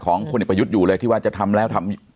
ของคนอีกประยุทธ์อยู่เลยที่ว่าจะทำแล้ว